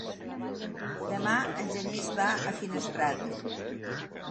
Demà en Genís va a Finestrat.